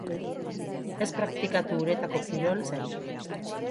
Ez praktikatu uretako kirol edo ekintzarik.